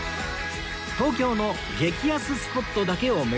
東京の激安スポットだけを巡る旅